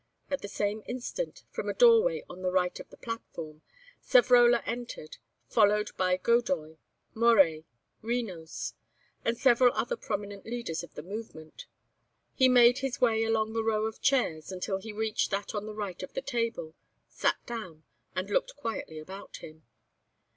At the same instant, from a doorway on the right of the platform, Savrola entered, followed by Godoy, Moret, Renos, and several other prominent leaders of the movement. He made his way along the row of chairs, until he reached that on the right of the table, sat down and looked quietly about him.